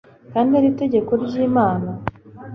kandi ari itegeko ry'imana